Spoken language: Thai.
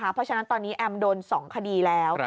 เพราะฉะนั้นตอนนี้แอมโดน๒คดีแล้ว